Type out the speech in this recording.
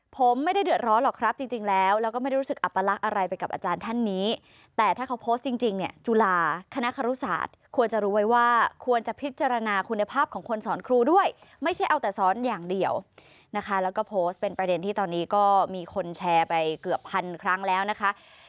ผมไม่ได้เดือดร้อนหรอกครับจริงแล้วแล้วก็ไม่ได้รู้สึกอัปละอะไรไปกับอาจารย์ท่านนี้แต่ถ้าเขาโพสต์จริงเนี่ยจุฬาคณะครุศาสตร์ควรจะรู้ไว้ว่าควรจะพิจารณาคุณภาพของคนสอนครูด้วยไม่ใช่เอาแต่สอนอย่างเดียวนะคะแล้วก็โพสต์เป็นประเด็นที่ตอนนี้ก็มีคนแชร์ไปเกือบพันครั้งแล้วนะคะ